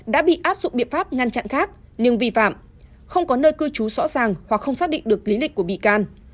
đã bị áp dụng biện pháp ngăn chặn khác nhưng vi phạm không có nơi cư trú rõ ràng hoặc không xác định được lý lịch của bị can